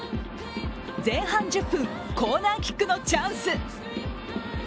前半１０分、コーナーキックのチャンス。